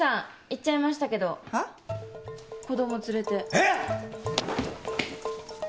えっ！